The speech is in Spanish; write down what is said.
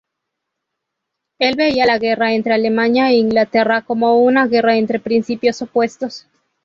Él veía la guerra entre Alemania e Inglaterra como una guerra entre principios opuestos.